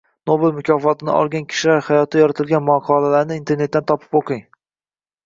Nobel mukofotini olgan kishilar hayoti yoritilgan maqolalarni internetdan topib o’qing